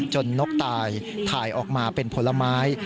นกตายถ่ายออกมาเป็นผลไม้